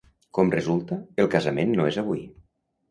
Com resulta, el casament no és avui.